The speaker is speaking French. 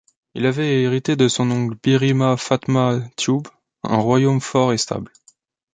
Il avait hérité de son oncle Birima Fatma Thioub un royaume fort et stable.